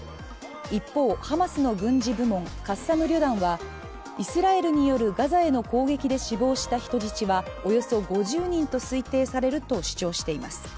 一方、ハマスの軍事部門、カッサム旅団はイスラエルによるガザへの攻撃で死亡した人質はおよそ５０人と推定されると主張しています。